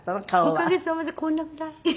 おかげさまでこんなぐらい。